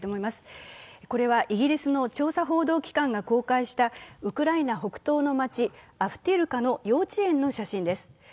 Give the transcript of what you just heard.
これはイギリスの調査報道機関が公開したウクライナ北東の町、アフトゥイルカの幼稚園の写真です。